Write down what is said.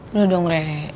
udah dong rey